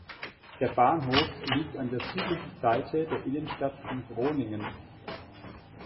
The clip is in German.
Der Bahnhof liegt an der südlichen Seite der Innenstadt von Groningen.